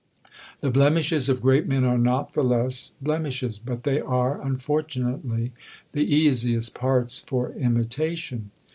The blemishes of great men are not the less blemishes, but they are, unfortunately, the easiest parts for imitation.